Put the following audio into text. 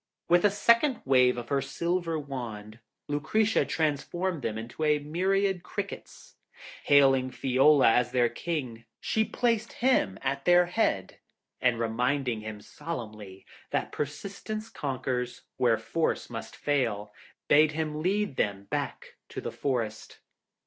With a second wave of her silver wand, Lucretia transformed them into a myriad crickets. Hailing Fiola as their king, she placed him at their head, and reminding him solemnly that persistence conquers where force must fail, bade him lead them back to the forest.